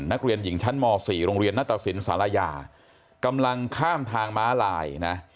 นักเรียนหญิงชั้นม๔โรงเรียนนัตตสินศาลายากำลังข้ามทางม้าลายนะ